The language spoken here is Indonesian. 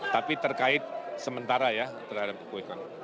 tapi terkait sementara ya terhadap kpu